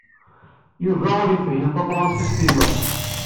Yuba ur yefhim tafṛensist-inu.